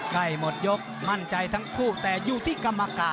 ใกล้หมดยกมั่นใจทั้งคู่แต่อยู่ที่กรรมการ